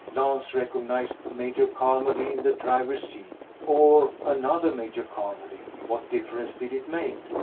Lance recognized Major Carmody in the driver's seat. Or another Major Carmody. What difference did it make?